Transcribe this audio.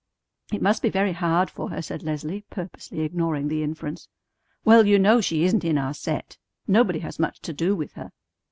"It must be very hard for her," said Leslie, purposely ignoring the inference. "Well, you know she isn't in our set. Nobody has much to do with her."